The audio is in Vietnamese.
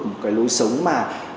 một cái lối sống mà